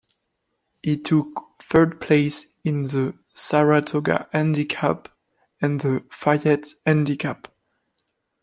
He took third place in the Saratoga Handicap and the Fayette Handicap.